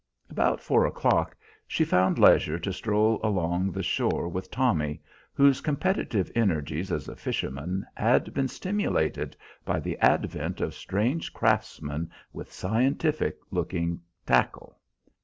About four o'clock she found leisure to stroll along the shore with Tommy, whose competitive energies as a fisherman had been stimulated by the advent of strange craftsmen with scientific looking tackle.